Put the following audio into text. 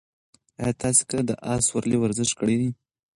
ایا تاسي کله د اس سورلۍ ورزش کړی دی؟